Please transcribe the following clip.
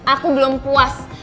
aku belum puas